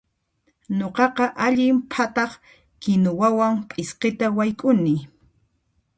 Nuqaqa allin phataq kinuwawan p'isqita wayk'ukuni.